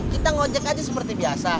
kita ngojek aja seperti biasa